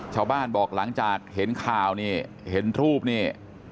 ชาวบ้านบอกหลังจากเห็นข่าวนี่เห็นรูปนี่